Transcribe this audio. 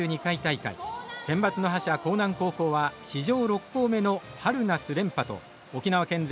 センバツの覇者興南高校は史上６校目の春夏連覇と沖縄県勢